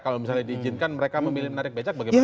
kalau misalnya diizinkan mereka memilih menarik becak bagaimana